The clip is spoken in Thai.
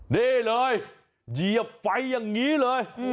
นี่เลยเหยียบไฟอย่างนี้เลย